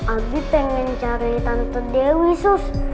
abi pengen cari tante dewi sos